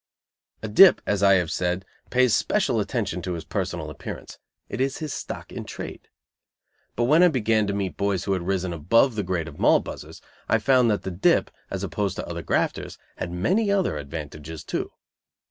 A dip, as I have said, pays special attention to his personal appearance; it is his stock in trade; but when I began to meet boys who had risen above the grade of Moll buzzers, I found that the dip, as opposed to other grafters, had many other advantages, too.